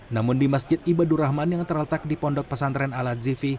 namun di masjid ibadurrahman yang terletak di pondok pesantren al azifi